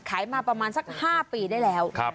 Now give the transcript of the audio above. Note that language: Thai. ขายมาประมาณสัก๕ปีได้แล้ว